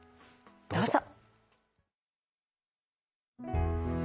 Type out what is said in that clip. どうぞ。